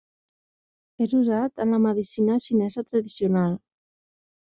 És usat en la medicina xinesa tradicional.